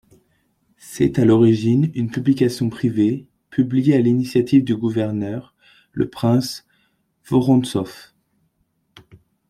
C'est à l'origine une publication privée, publiée à l'initiative du gouverneur, le prince Vorontsov.